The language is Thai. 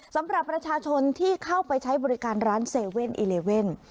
สำหรับประชาชนที่เข้าไปใช้บริการร้าน๗๑๑